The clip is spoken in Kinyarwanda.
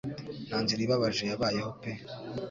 Nta nzira ibabaje yabayeho pe